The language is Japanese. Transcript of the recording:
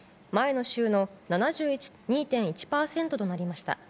前の週の７２．１％となりました。